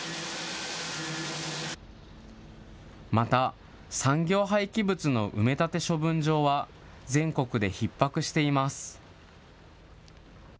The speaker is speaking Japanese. また、産業廃棄物の埋め立て処分場は全国でひっ迫しています。